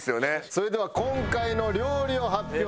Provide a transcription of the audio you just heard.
それでは今回の料理を発表します。